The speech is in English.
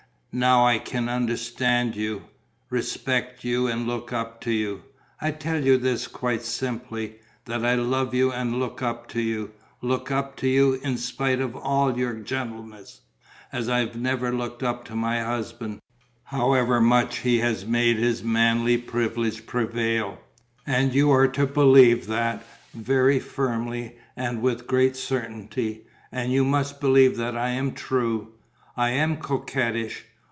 Now I can understand you, respect you and look up to you. I tell you this quite simply, that I love you and look up to you, look up to you, in spite of all your gentleness, as I never looked up to my husband, however much he made his manly privilege prevail. And you are to believe that, very firmly and with great certainty, and you must believe that I am true. I am coquettish